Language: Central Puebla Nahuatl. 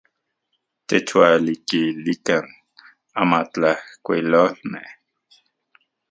Techualikilikan amatlajkuilolmej.